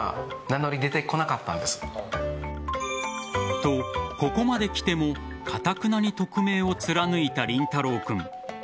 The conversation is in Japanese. と、ここまで来てもかたくなに匿名を貫いた凛太郎くん。